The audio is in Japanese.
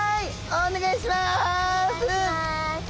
お願いします。